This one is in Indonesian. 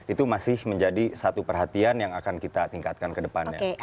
itu masih menjadi satu perhatian yang akan kita tingkatkan ke depannya